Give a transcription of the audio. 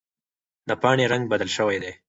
د پاڼې رنګ بدل شوی دی.